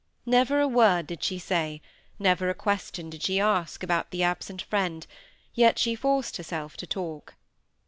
Never a word did she say—never a question did she ask about the absent friend, yet she forced herself to talk.